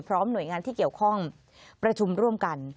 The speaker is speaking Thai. หน่วยงานที่เกี่ยวข้องประชุมร่วมกัน